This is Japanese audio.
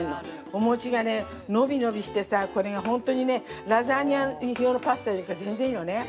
お餅がね、のびのびしてさこれがほんとにねラザニア用のパスタよりか全然いいのね。